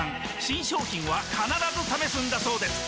新商品は必ず試すんだそうです